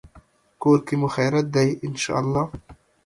کور کې مو خیریت دی، ان شاءالله